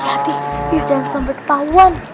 hati hati jangan sampai tawan